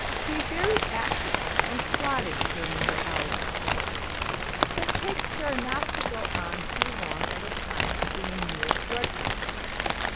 Be very accurate and plodding during your hours of work, but take care not to go on too long at a time doing mere drudgery.